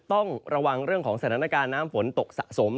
ต้องระวังเรื่องของสถานการณ์น้ำฝนตกสะสม